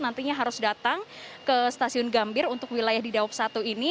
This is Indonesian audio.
nantinya harus datang ke stasiun gambir untuk wilayah di daup satu ini